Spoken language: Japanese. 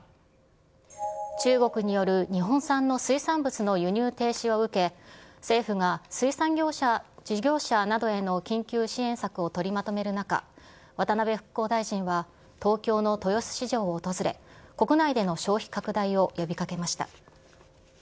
中国による日本産の水産物の輸入停止を受け、政府が水産事業者などへの緊急支援策を取りまとめる中、渡辺復興大臣は、東京の豊洲市場を訪れ、国内での消費拡大を呼びかけました。